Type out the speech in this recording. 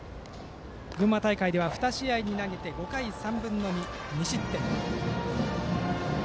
群馬大会では２試合に投げて５回３分の２、２失点。